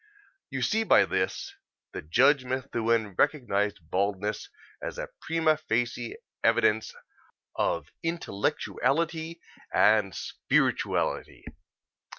You see by this that Judge Methuen recognized baldness as prima facie evidence of intellectuality and spirituality.